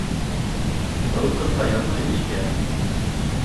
Һыуытҡыста ятмаймы икән?